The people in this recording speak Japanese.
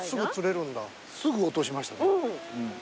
すぐ落としましたね。